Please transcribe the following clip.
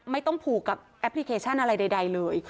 ไม่ต้องผูกกับแอปพลิเคชันอะไรใดเลย